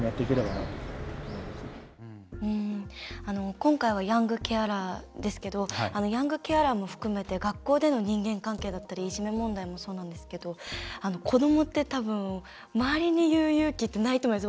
今回はヤングケアラーですけどヤングケアラーも含めて学校での人間関係だったりいじめ問題もそうなんですけど子どもってたぶん、周りに言う勇気ってないと思います。